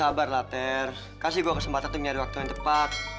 ya ya sabarlah ter kasih gua kesempatan tuh nyari waktu yang tepat